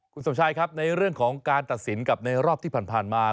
คุณสมชายครับในเรื่องของการตัดสินกับในรอบที่ผ่านมา